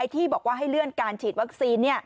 ที่บอกว่าให้เลื่อนการฉีดวัคซีน